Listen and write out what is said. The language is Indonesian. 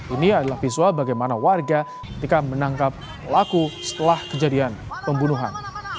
ini adalah visual bagaimana warga ketika menangkap pelaku setelah kejadian pembunuhan